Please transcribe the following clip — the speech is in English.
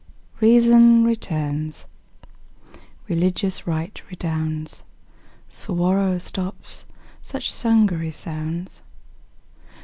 Reason returns, religious right redounds, Suwarrow stops such sanguinary sounds.